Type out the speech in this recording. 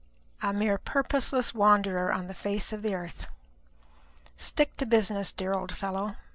A mere purposeless wanderer on the face of the earth. Stick to business, dear old fellow.